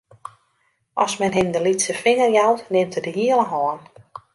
As men him de lytse finger jout, nimt er de hiele hân.